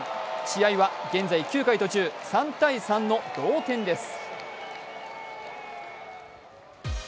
試合は現在９回途中３−３の同点です。